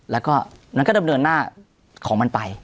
แล้วก็มันก็ดำเนินหน้าของมันไป